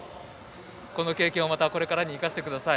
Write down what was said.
この経験をこれからに生かしてください。